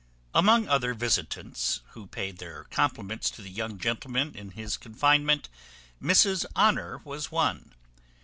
Among other visitants, who paid their compliments to the young gentleman in his confinement, Mrs Honour was one.